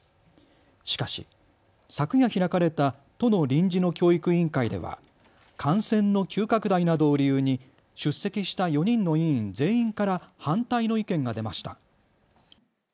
しかし、昨夜開かれた都の臨時の教育委員会では感染の急拡大などを理由に出席した４人の委員全員から反対の意見が出ました。